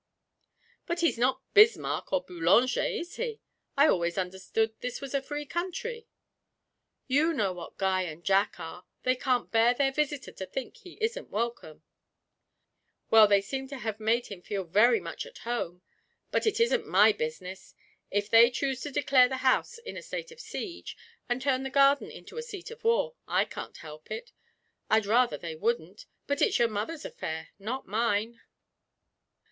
'But he's not Bismarck or Boulanger, is he? I always understood this was a free country.' 'You know what Guy and Jack are they can't bear their visitor to think he isn't welcome.' 'Well, they seem to have made him feel very much at home but it isn't my business; if they choose to declare the house in a state of siege, and turn the garden into a seat of war, I can't help it I'd rather they wouldn't, but it's your mother's affair, not mine!'